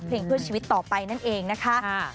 เพลงเพื่อชีวิตต่อไปนั่นเองนะคะ